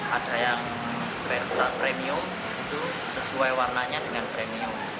ada yang premium itu sesuai warnanya dengan premium